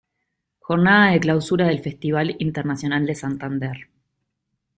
Jornada de Clausura del Festival Internacional de Santander.